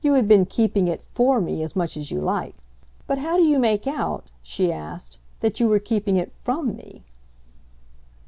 "You had been keeping it 'for' me as much as you like. But how do you make out," she asked, "that you were keeping it FROM me?"